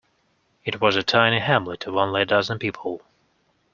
It was a tiny hamlet of only a dozen people.